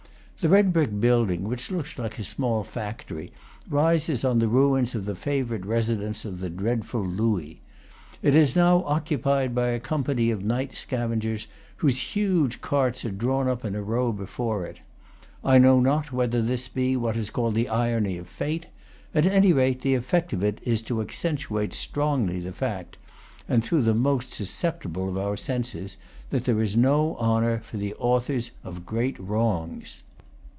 The red brick building, which looks like a small factory, rises on the ruins of the favorite residence of the dreadful Louis. It is now occupied by a company of night scavengers, whose huge carts are drawn up in a row before it. I know not whether this be what is called the irony of fate; at any rate, the effect of it is to accentuate strongly the fact (and through the most susceptible of our senses) that there is no honor for the authors of great wrongs.